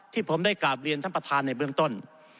ที่ผมได้กราบเรียนท่านประธานในเบื้องต้น